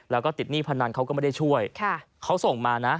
แล้วก็ติดหนี้พนันเขาก็ไม่ได้ช่วยเขาส่งมานะ